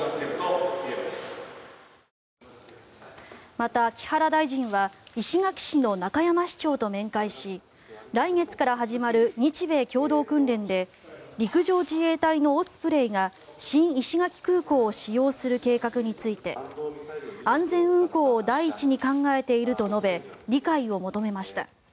また、木原大臣は石垣市の中山市長と面会し来月から始まる日米共同訓練で陸上自衛隊のオスプレイが新石垣空港を使用する計画について安全運航を第一に考えていると述べ理解を求めました。